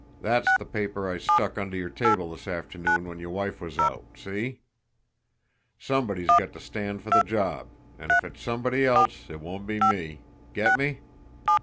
That's the paper I stuck under your table this afternoon when your wife was out see? Somebody's got to stand for the job, and if it's somebody else it won't be me get me!